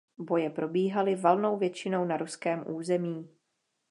Boje probíhaly valnou většinou na ruském území.